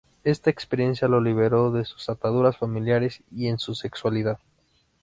Esta experiencia lo liberó de sus ataduras familiares y en su sexualidad.